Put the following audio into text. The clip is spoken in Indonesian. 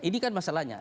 ini kan masalahnya